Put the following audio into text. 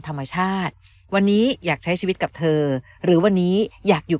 ธรรมชาติวันนี้อยากใช้ชีวิตกับเธอหรือวันนี้อยากอยู่